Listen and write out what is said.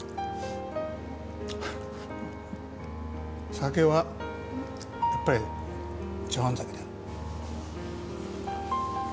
酒はやっぱり茶碗酒だ。